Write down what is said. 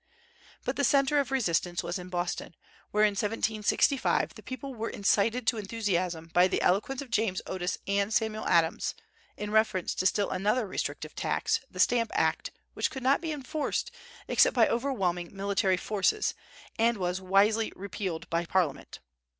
But the centre of resistance was in Boston, where in 1765 the people were incited to enthusiasm by the eloquence of James Otis and Samuel Adams, in reference to still another restrictive tax, the Stamp Act, which could not be enforced, except by overwhelming military forces, and was wisely repealed by Parliament.